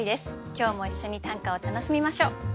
今日も一緒に短歌を楽しみましょう。